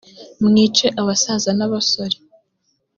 mwice abasaza n’abasore